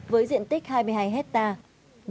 với diện tích hai mươi hai hectare